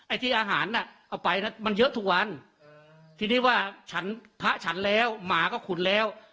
ที่อาหารน่ะเอาไปมันเยอะทุกวันทีนี้ว่าฉันพระฉันแล้วหมาก็ขุดแล้ว